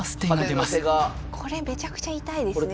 これめちゃくちゃ痛いですね。